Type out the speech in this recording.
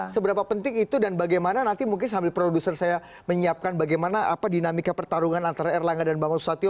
seberapa penting itu dan bagaimana nanti mungkin sambil produser saya menyiapkan bagaimana dinamika pertarungan antara erlangga dan bambang susatyo